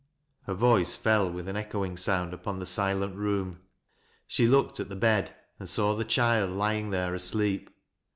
" Her voice fell with an echoing sound upon the sileni room. She looked at the bed and saw the child lying there . asleep.